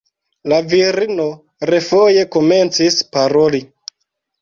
La virino refoje komencis paroli.